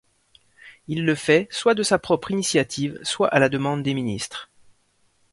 Il le fait, soit de sa propre initiative, soit à la demande des ministres.